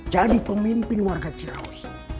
jadi pemimpin warga ciraus